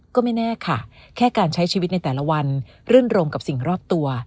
ก็ไม่แน่ค่ะแค่การใช้ชีวิตในแต่ละวันรื่นรมกับสิ่งรอบตัว